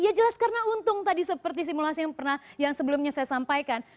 ya jelas karena untung tadi seperti simulasi yang sebelumnya saya sampaikan